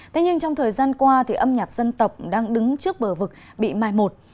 thế nhưng trong thời gian qua thì âm nhạc dân tộc đang đứng trước bờ vực bị mai một